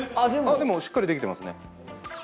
でもしっかりできてますね。